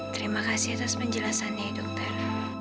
terima kasih atas penjelasannya dokter